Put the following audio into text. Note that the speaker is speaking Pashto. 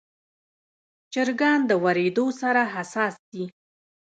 چرګان د وریدو سره حساس دي.